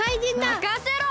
まかせろ！